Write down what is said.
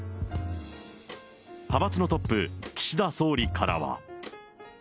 派閥のトップ、岸田総理からは。